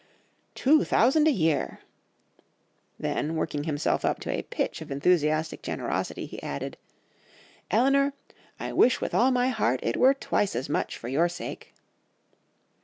"'Two thousand a year!' Then working himself up to a pitch of enthusiastic generosity, he added, 'Elinor, I wish with all my heart it were twice as much for your sake.